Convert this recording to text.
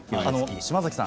島崎さん